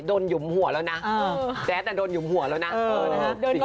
โดนหยุมหัวแล้วนะแจ๊ดน่ะโดนหยุมหัวแล้วนะสิ่งที่ผม